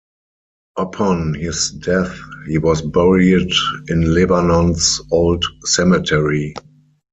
Upon his death he was buried in Lebanon's Old Cemetery.